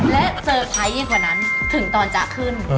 และเซอร์ไพรส์ยิ่งกว่านั้นถึงตอนจ๊ะขึ้น